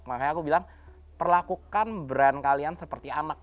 makanya aku bilang perlakukan brand kalian seperti anak